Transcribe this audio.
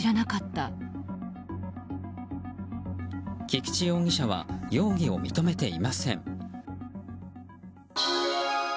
菊池容疑者は容疑を認めていません。